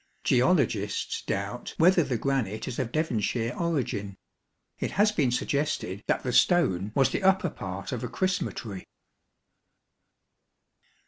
Geologists doubt whether the granite is of Devon shire origin. It has been suggested that the stone was the upper part of a Chrisrnatory.